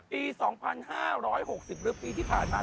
ปี๒๕๖๐หรือปีที่ผ่านมา